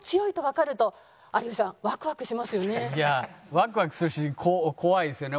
ワクワクするし怖いですよね。